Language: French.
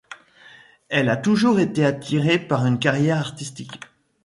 Elle a toujours été attirée par une carrière artistique.